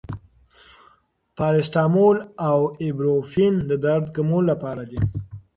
پاراسټامول او ایبوپروفین د درد کمولو لپاره دي.